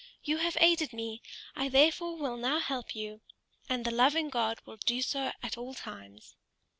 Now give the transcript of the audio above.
You have aided me, I therefore will now help you; and the loving God will do so at all times."